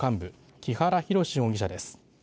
木原浩容疑者です。